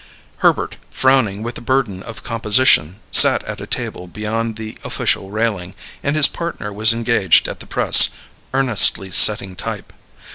Herbert, frowning with the burden of composition, sat at a table beyond the official railing, and his partner was engaged at the press, earnestly setting type.